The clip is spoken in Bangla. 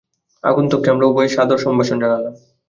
আগন্তুককে আমরা উভয়েই সাদর সম্ভাষণ জানালাম।